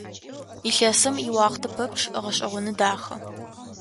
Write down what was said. Илъэсым иуахътэ пэпчъ гъэшӀэгъоны, дахэ.